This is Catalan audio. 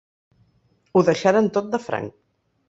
Ho deixaren tot de franc.